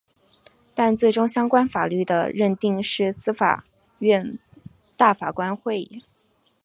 但最终相关法律的认定是司法院大法官会议。